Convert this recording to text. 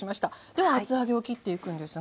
では厚揚げを切っていくんですが。